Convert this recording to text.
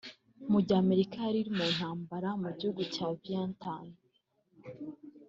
Mu gihe Amerika yari mu ntambara mu gihugu cya Vietnam